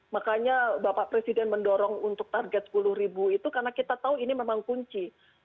makanya bapak presiden mendorong untuk target sepuluh ribu itu karena kita tahu ini memang kunci